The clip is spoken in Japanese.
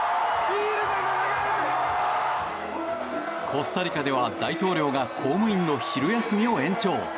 コスタリカでは大統領が公務員の昼休みを延長。